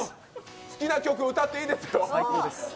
好きな曲、歌っていいですよ。